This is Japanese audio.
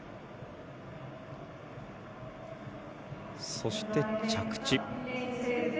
そして着地。